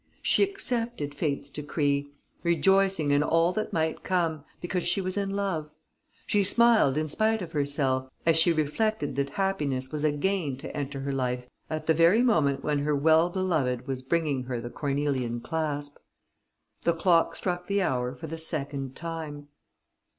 She accepted fate's decree, rejoicing in all that might come, because she was in love. She smiled in spite of herself, as she reflected that happiness was again to enter her life at the very moment when her well beloved was bringing her the cornelian clasp. The clock struck the hour for the second time.